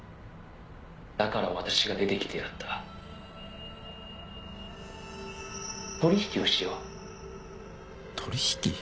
「だから私が出てきてやった」「取引をしよう」取引？